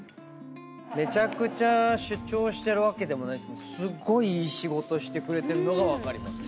めちゃくちゃ主張してるわけでもないけどすごいいい仕事してくれてるのが分かります。